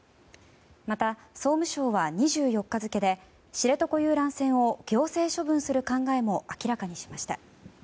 また、総務省は２４日付で知床遊覧船を行政処分する考えも明らかにしました。